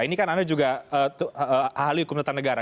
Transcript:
ini kan anda juga ahli hukum tetanegara